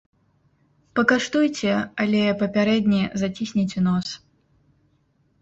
Пакаштуйце, але папярэдне зацісніце нос.